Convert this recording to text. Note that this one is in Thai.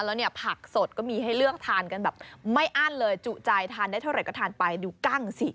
แล้วเนี่ยผักสดก็มีให้เลือกทานกันแบบไม่อั้นเลยจุใจทานได้เท่าไหร่ก็ทานไปดูกั้งสิ